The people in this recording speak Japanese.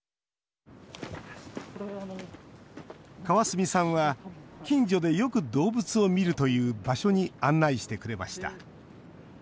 川角さんは、近所でよく動物を見るという場所に案内してくれました。